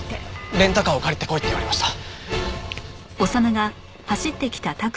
レンタカーを借りてこいって言われました。